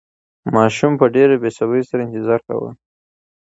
ماشوم په ډېرې بې صبرۍ سره انتظار کاوه.